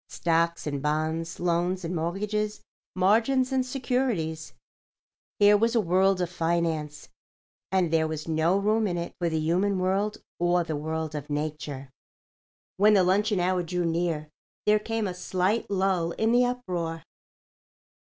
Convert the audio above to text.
Stocks and bonds, loans and mortgages, margins and securities—here was a world of finance, and there was no room in it for the human world or the world of nature. When the luncheon hour drew near there came a slight lull in the uproar.